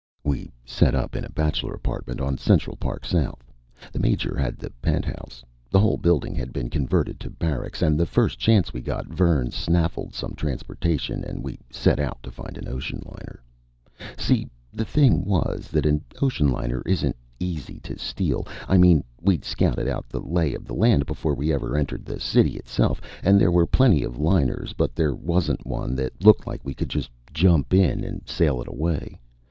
We set up in a bachelor apartment on Central Park South the Major had the penthouse; the whole building had been converted to barracks and the first chance we got, Vern snaffled some transportation and we set out to find an ocean liner. See, the thing was that an ocean liner isn't easy to steal. I mean we'd scouted out the lay of the land before we ever entered the city itself, and there were plenty of liners, but there wasn't one that looked like we could just jump in and sail it away.